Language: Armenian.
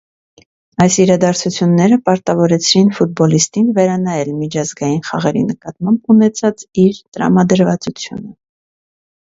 Այս իրադարձությունները պարտավորեցրին ֆուտբոլիստին վերանայել միջազգային խաղերի նկատմամբ ունեցած իր տրամադրվածությունը։